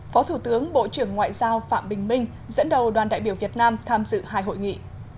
phó thủ tướng bộ trưởng ngoại giao phạm bình minh dẫn đầu đoàn đại biểu việt nam tham dự hai hội nghị